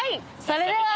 それでは。